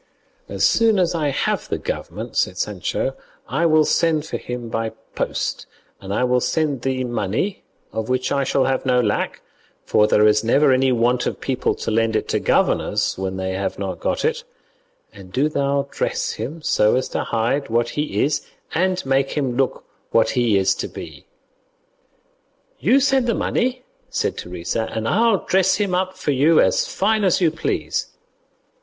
"As soon as I have the government," said Sancho, "I will send for him by post, and I will send thee money, of which I shall have no lack, for there is never any want of people to lend it to governors when they have not got it; and do thou dress him so as to hide what he is and make him look what he is to be." "You send the money," said Teresa, "and I'll dress him up for you as fine as you please."